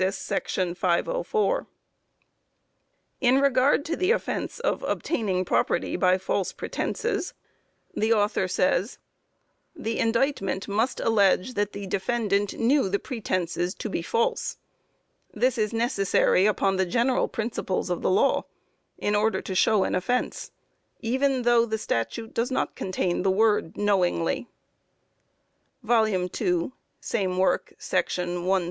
§504._) In regard to the offence of obtaining property by false pretenses, the author says: "The indictment must allege that the defendant knew the pretenses to be false. This is necessary upon the general principles of the law, in order to show an offence, even though the statute does not contain the word 'knowingly.'" (_2 Id. §172.